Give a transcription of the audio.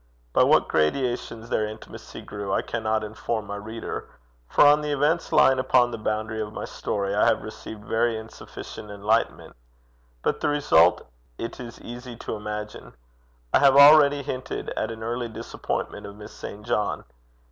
By what gradations their intimacy grew I cannot inform my reader, for on the events lying upon the boundary of my story, I have received very insufficient enlightenment; but the result it is easy to imagine. I have already hinted at an early disappointment of Miss St. John.